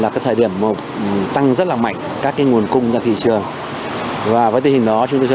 có thời điểm tăng rất là mạnh các nguồn cung ra thị trường và với tình hình đó chúng tôi cho